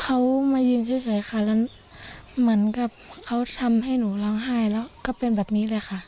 เขามายืนเฉยค่ะแล้วเหมือนกับเขาทำให้หนูร้องไห้แล้วก็เป็นแบบนี้เลยค่ะ